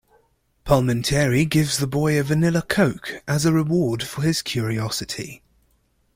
Palminteri gives the boy a Vanilla Coke, as a reward for his curiosity.